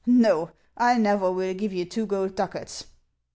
Xo, I never will give two gold ducats."